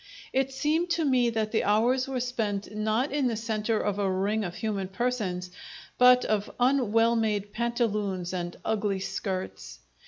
It seemed to me that the hours were spent not in the centre of a ring of human persons, but of un well made pantaloons and ugly skirts.